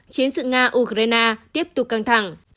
chiến sự nga ukraine tiếp tục căng thẳng